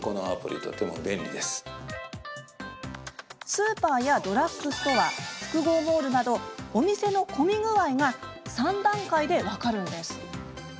スーパーやドラッグストア複合モールなどお店の混み具合が３段階で分かるんです。